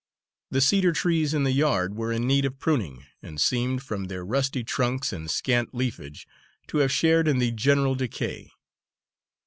The cedar trees in the yard were in need of pruning, and seemed, from their rusty trunks and scant leafage, to have shared in the general decay.